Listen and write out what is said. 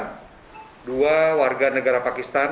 kemudian pemeriksaan menangkap seorang warga negara pakistan